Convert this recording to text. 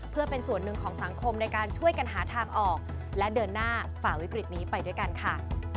เพื่อเป็นส่วนหนึ่งของสังคมในการช่วยกันหาทางออกและเดินหน้าฝ่าวิกฤตนี้ไปด้วยกันค่ะ